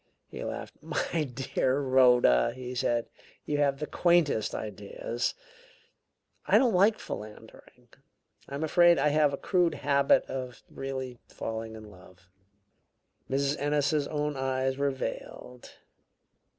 He laughed. "My dear Rhoda," he said, "you have the quaintest ideas. I don't like philandering; I'm afraid I have a crude habit of really falling in love." Mrs. Ennis's own eyes were veiled.